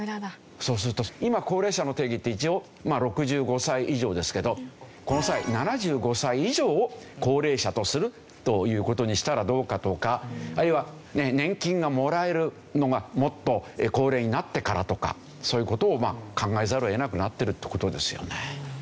そうすると今高齢者の定義って一応６５歳以上ですけどこの際７５歳以上を高齢者とするという事にしたらどうかとかあるいは年金がもらえるのがもっと高齢になってからとかそういう事を考えざるを得なくなってるって事ですよね。